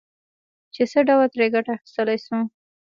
چې څه ډول ترې ګټه اخيستلای شو.